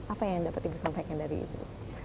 apa yang dapat ibu sampaikan dari ibu